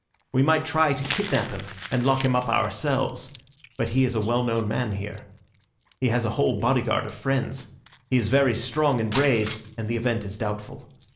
We might try to kidnap him, and lock him up ourselves; but he is a well known man here. He has a whole bodyguard of friends; he is very strong and brave, and the event is doubtful.